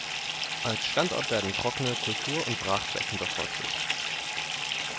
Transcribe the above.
Als Standort werden trockene Kultur- und Brachflächen bevorzugt.